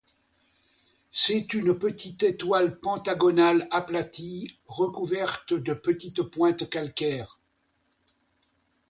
C'est une petite étoile pentagonale aplatie, recouverte de petites pointes calcaires.